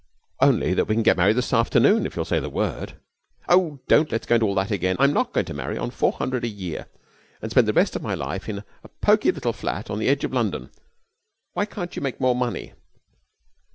'Only that we can get married this afternoon if you'll say the word.' 'Oh, don't let us go into all that again! I'm not going to marry on four hundred a year and spend the rest of my life in a pokey little flat on the edge of London. Why can't you make more money?'